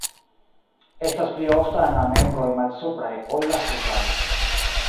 Estas pli ofta en la membroj malsupraj ol la supraj.